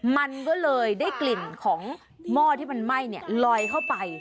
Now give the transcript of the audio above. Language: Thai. มันก็เลยได้กลิ่นของหม้อที่มันไหม้ลอยเข้าไป